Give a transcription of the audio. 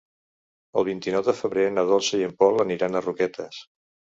El vint-i-nou de febrer na Dolça i en Pol aniran a Roquetes.